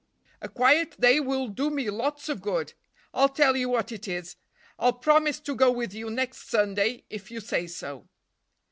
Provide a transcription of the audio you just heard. "A quiet day will do me lots of good. I'll tell you what it is: I'll promise to go with you next Sunday, if you say so."